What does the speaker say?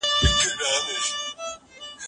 زه به اوږده موده شګه پاکه کړې وم